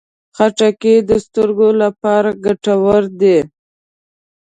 خټکی د سترګو لپاره ګټور دی.